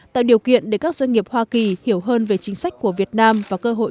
tạo điều kiện để các doanh nghiệp hoa kỳ hiểu hơn về chính sách của việt nam và cơ hội